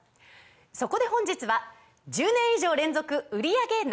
そこで本日は１０年以上連続売り上げＮｏ．１